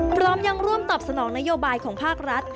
พร้อมยังร่วมตอบสนองนโยบายของภาครัฐ